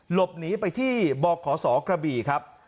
หลบหนีไปที่บขศกระบี่ครับ